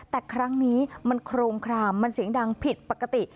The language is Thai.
แต่ครั้งนี้มันโครงครามมันเสียงดังผิดปกติ